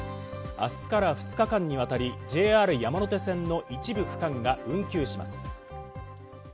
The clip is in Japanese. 明日から２日間にわたり、ＪＲ山手線の一部区間が運休します。